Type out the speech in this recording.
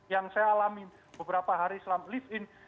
yang saya alami beberapa hari selama live in